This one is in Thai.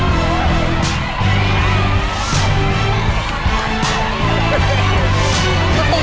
มาทำร่อยดี